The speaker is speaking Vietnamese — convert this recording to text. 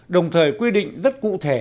đồng thời quy định rất cụ thể